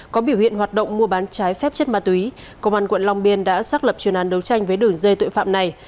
có biểu hiện hoạt động mua bán trái phép chất ma túy công an quận long biên đã xác lập chuyên án đấu tranh với đường dây tội phạm này